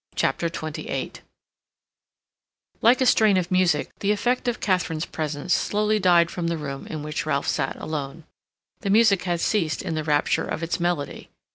CHAPTER XXVIII Like a strain of music, the effect of Katharine's presence slowly died from the room in which Ralph sat alone. The music had ceased in the rapture of its melody.